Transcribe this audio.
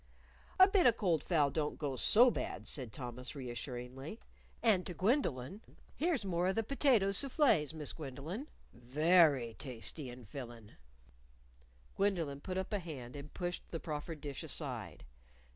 "A bit of cold fowl don't go so bad," said Thomas, reassuringly. And to Gwendolyn, "Here's more of the potatoes souffles, Miss Gwendolyn, very tasty and fillin'." Gwendolyn put up a hand and pushed the proffered dish aside.